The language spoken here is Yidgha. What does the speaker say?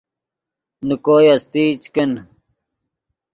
نے کوئے استئی چے کن